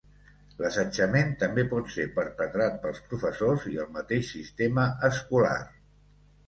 L'assetjament també pot ser perpetrat pels professors i el mateix sistema escolar.